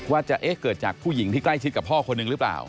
ว่าจะเอ๊ะเกิดจากผู้หญิงที่ใกล้ชิดกับพ่อคนหนึ่งหรือเปล่า